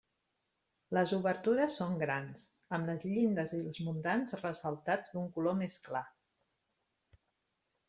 Les obertures són grans, amb les llindes i els muntants ressaltats d'un color més clar.